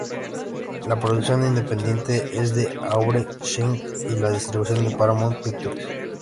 La producción independiente es de Aubrey Schenck y la distribución de Paramount Pictures.